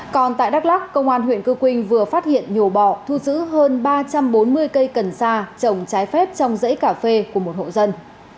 còn tại đắk lắc công an huyện cư quynh vừa phát hiện nhổ bọ thu giữ hơn ba trăm bốn mươi cây cần sa trồng trái phép trong dãy cà phê của một hộ dân